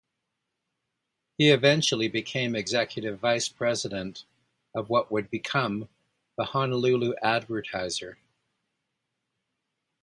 He eventually became executive vice president of what would become the "Honolulu Advertiser".